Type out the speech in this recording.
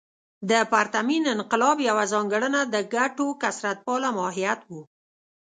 د پرتمین انقلاب یوه ځانګړنه د ګټو کثرت پاله ماهیت و.